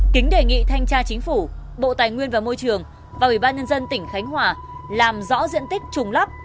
kính đề nghị thanh tra chính phủ bộ tài nguyên và môi trường và ủy ban nhân dân tỉnh khánh hòa làm rõ diện tích trùng lắp